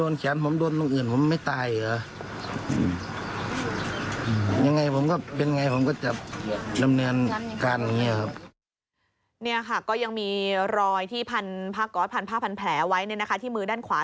เนี่ยค่ะก็ยังมีรอยที่พันภาพแผลไว้ที่มือด้านขวา